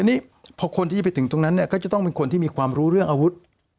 อันนี้พอคนที่ไปถึงตรงนั้นเนี่ยก็จะต้องเป็นคนที่มีความรู้เรื่องอาวุธ